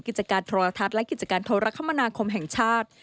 กิจการโทรทัศน์และกิจการโทรคมนาคมแห่งชาติ